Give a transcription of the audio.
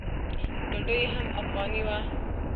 ډوډۍ یې هم افغاني وه.